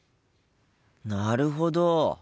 なるほど！